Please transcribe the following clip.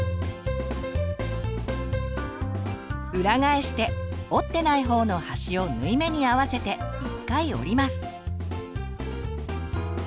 裏返して折ってない方の端を縫い目に合わせて１回折ります。